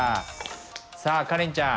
さあカレンちゃん